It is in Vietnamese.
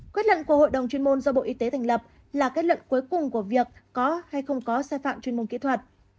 kết luận của hội đồng chuyên môn do bộ y tế thành lập là kết luận cuối cùng của việc có hay không có sai phạm chuyên môn kỹ thuật